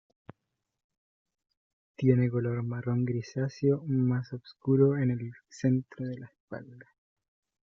Tiene color marrón grisáceo, más obscuro en el centro de la espalda.